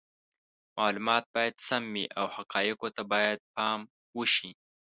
معلومات باید سم وي او حقایقو ته باید پام وشي.